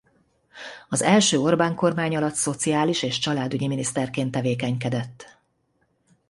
Az első Orbán-kormány alatt szociális és családügyi miniszterként tevékenykedett.